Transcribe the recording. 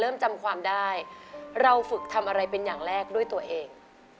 เริ่มจำความได้เราฝึกทำอะไรเป็นอย่างแรกด้วยตัวเอง